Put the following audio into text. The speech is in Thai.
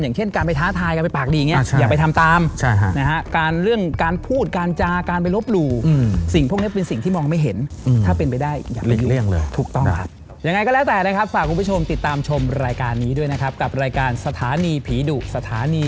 อย่างเช่นการไปท้าทายการไปปากดีอย่างนี้